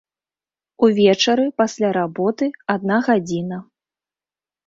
Увечары, пасля работы, адна гадзіна.